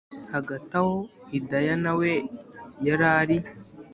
hagati aho hidaya nawe yarari